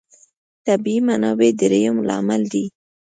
طبیعي منابع درېیم لامل دی.